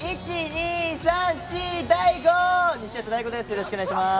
よろしくお願いします。